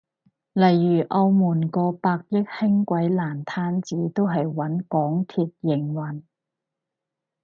例如澳門個百億輕軌爛攤子都係搵港鐵營運？